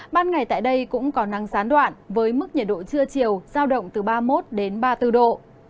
ban ngày tại đây cũng có năng sán đoạn với mức nhiệt độ trưa chiều giao động từ ba mươi một ba mươi bốn độ